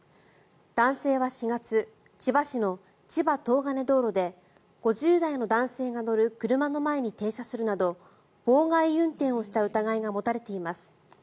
男性は４月千葉市の千葉東金道路で５０代の男性が乗る車の前に停車するなど妨害運転をした疑いが持たれています。